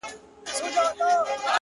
باد را الوتی ـ له شبِ ستان دی ـ